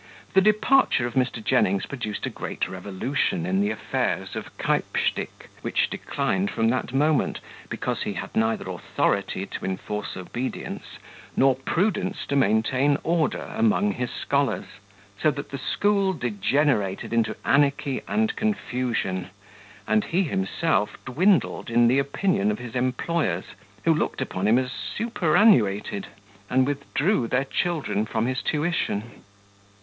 The departure of Mr. Jennings produced a great revolution in the affairs of Keypstick, which declined from that moment, because he had neither authority to enforce obedience, nor prudence to maintain order among his scholars: so that the school degenerated into anarchy and confusion, and he himself dwindled in the opinion of his employers, who looked upon him as superannuated, and withdrew their children front his tuition.